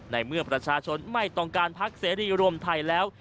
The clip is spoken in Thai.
ในเมื่อประชาชนไม่ต้องการพักเสรีรวมไทยแล้ว